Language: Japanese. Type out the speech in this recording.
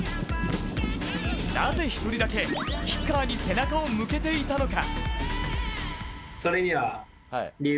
なぜ１人だけ、キッカーに背中を向けていたのか？